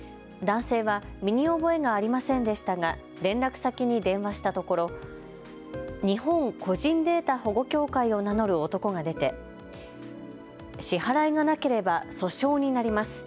男性は身に覚えがありませんでしたが連絡先に電話したところ日本個人データ保護協会を名乗る男が出て支払いがなければ訴訟になります。